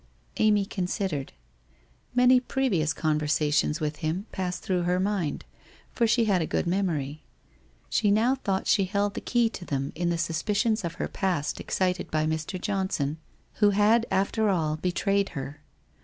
...' Amy considered. Many previous conversations with him passed through her mind, for she had a good memory. She now thought she held the key to them in the suspicions of her past excited by Mr. Johnson who had, after all, betrayed her.